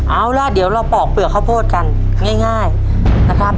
เอาล่ะเดี๋ยวเราปอกเปลือกข้าวโพดกันง่ายนะครับ